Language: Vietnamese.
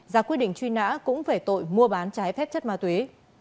ra quyết định truy nã cũng về tội mua bán trái phép chất ma túy